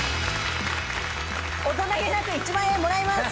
大人げなく１万円もらいます！